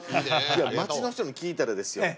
町の人に聞いたらですよ